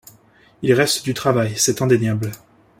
Il reste du travail, c'est indéniable.